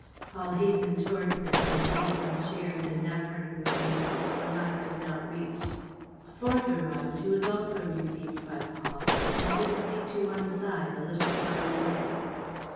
Paul hastened towards them and gave them chairs in that part of the room which the light did not reach. A fourth arrived, who was also received by Paul and took a seat to one side, a little farther away.